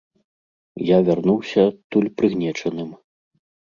Я вярнуўся адтуль прыгнечаным.